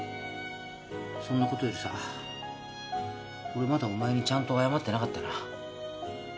そんなことよりさ俺まだお前にちゃんと謝ってなかったな。